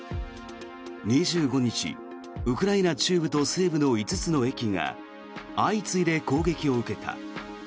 ２５日、ウクライナ中部と西部の５つの駅が相次いで攻撃を受けた。